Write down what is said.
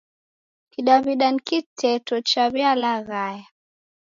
Kidaw'ida ni kiteto chaw'ialaghaya.